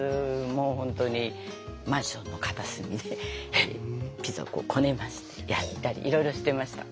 もう本当にマンションの片隅でピザをこねましてやったりいろいろしてました。